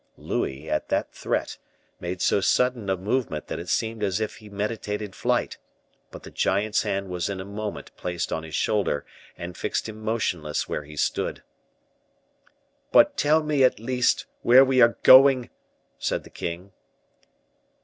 Louis, at that threat, made so sudden a movement that it seemed as if he meditated flight; but the giant's hand was in a moment placed on his shoulder, and fixed him motionless where he stood. "But tell me, at least, where we are going," said the king.